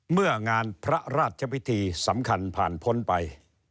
เมื่องานพระราชพิธีสำคัญผ่านพ้นไป